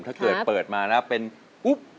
ถ้าเกิดเปิดมาแล้วเป็นปุ๊บ